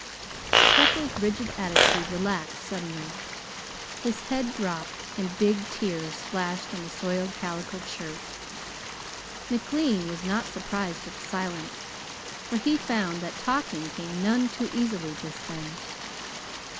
Freckles' rigid attitude relaxed suddenly. His head dropped, and big tears splashed on the soiled calico shirt. McLean was not surprised at the silence, for he found that talking came none too easily just then.